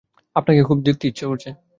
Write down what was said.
আপনাকে খুব দেখতে ইচ্ছে করছে।